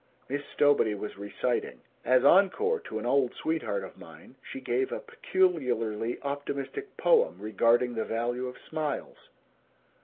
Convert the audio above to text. Miss Stowbody was reciting. As encore to "An Old Sweetheart of Mine," she gave a peculiarly optimistic poem regarding the value of smiles.